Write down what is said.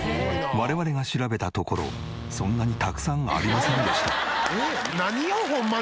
我々が調べたところそんなにたくさんありませんでした。